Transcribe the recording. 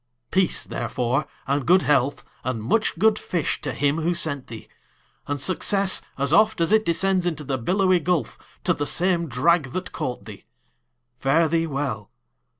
Peace, therefore, and good health, and much good fish, To him who sent thee! and success, as oft As it descends into the billowy gulf, To the same drag that caught thee! Fare thee well!